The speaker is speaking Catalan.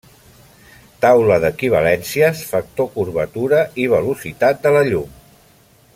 Taula d'equivalències Factor curvatura i velocitat de la llum.